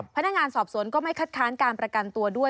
พนักงานสอบสวนก็ไม่คัดค้านการประกันตัวด้วย